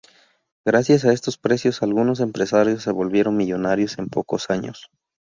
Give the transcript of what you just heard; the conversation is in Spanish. Gracias a estos precios, algunos empresarios se volvieron millonarios en pocos años.